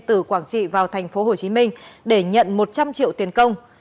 từ quảng trị vào tp hcm để nhận một trăm linh triệu tiền công